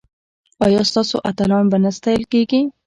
ایا ستاسو اتلان به نه ستایل کیږي؟